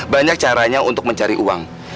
banyak caranya untuk mencari uang